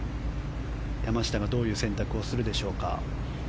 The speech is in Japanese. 山下がどういう選択をするでしょうか。